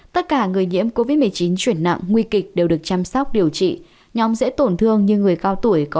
tất cả người nhiễm covid một mươi chín chuyển nặng nguy kịch đều được chăm sóc điều trị